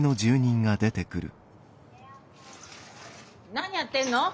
何やってんの？